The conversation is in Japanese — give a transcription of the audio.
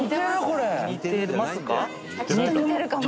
これ似てますか？